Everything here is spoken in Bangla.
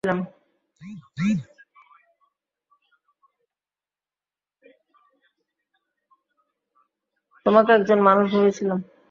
তোমাকে একজন মানুষ ভেবেছিলাম।